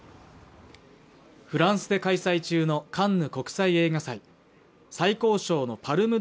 フランスで開催中のカンヌ国際映画祭最高賞のパルム